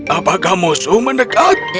apakah musuh mendekat